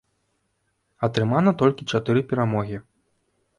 Атрымана толькі чатыры перамогі.